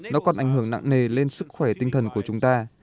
nó còn ảnh hưởng nặng nề lên sức khỏe tinh thần của chúng ta